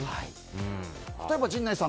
例えば、陣内さん